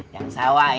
yang sawah ya